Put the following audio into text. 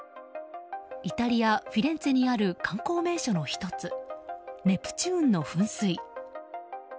イタリア・フィレンツェにある観光名所の１つネプチューンの噴水。